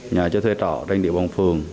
nhà cho thuê trọ trên địa bàn phường